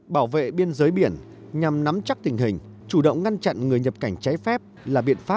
bảo vệ biên giới biển nhằm nắm chắc tình hình chủ động ngăn chặn người nhập cảnh trái phép